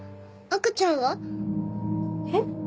赤ちゃんは？えっ？